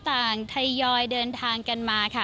ทยอยเดินทางกันมาค่ะ